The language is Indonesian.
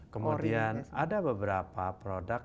kemudian ada beberapa produk